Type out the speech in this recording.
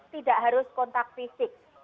tidak harus kontak fisik